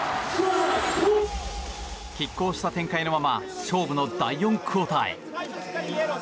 拮抗した展開のまま勝負の第４クオーターへ。